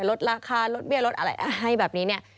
ลดราคาลดเบี้ยลดอะไรให้แบบนี้เนี่ย